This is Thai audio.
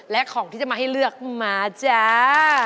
และของที่จะมาให้เลือกมาจ้า